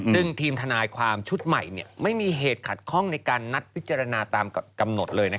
ซึ่งทีมทนายความชุดใหม่ไม่มีเหตุขัดข้องในการนัดพิจารณาตามกำหนดเลย